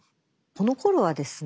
このころはですね